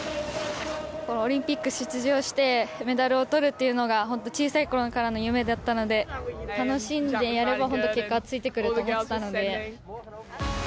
オリンピック出場して、メダルをとるっていうのが、本当、小さいころからの夢だったので、楽しんでやれば本当、結果はついてくると思ってたので。